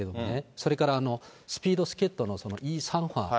それから、スピードスケートのイ・サンファ。